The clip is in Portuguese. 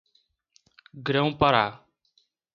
Grão-Pará